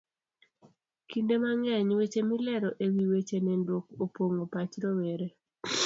Kinde mang'eny, weche milero e wi weche nindruok opong'o pach rowere.